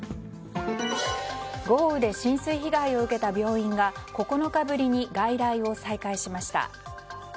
豪雨で浸水被害を受けた病院が９日ぶりに外来を再開しました。